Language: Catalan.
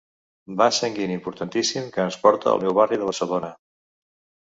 Vas sanguini importantíssim que ens porta al meu barri de Barcelona.